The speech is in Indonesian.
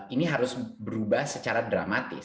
ini harus berubah secara dramatis